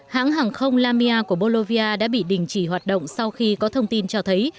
hãng hàng không lamia của bollovia đã bị đình chỉ hoạt động sau khi có thông tin cho thấy